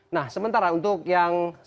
nah sementara untuk yang